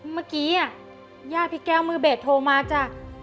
เมื่อกี้ย่าพี่แก้วมือเบสโทรมาจ้ะ